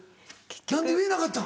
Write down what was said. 何で言えなかったん？